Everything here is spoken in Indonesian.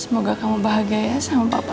m acl sama ibu pantik